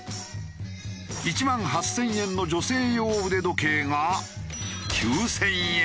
１万８０００円の女性用腕時計が９０００円。